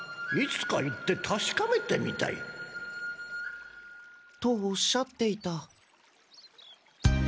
いつか行ってたしかめてみたい。とおっしゃっていた。